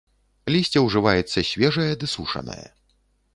Лісце ўжываецца свежае ды сушанае.